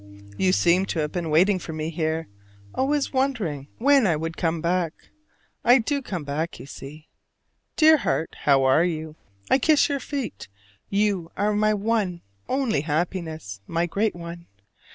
You seem to have been waiting for me here: always wondering when I would come back. I do come back, you see. Dear heart, how are you? I kiss your feet; you are my one only happiness, my great one.